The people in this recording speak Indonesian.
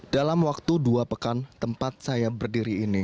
dalam waktu dua pekan tempat saya berdiri ini